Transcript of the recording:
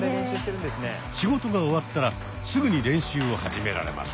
仕事が終わったらすぐに練習を始められます。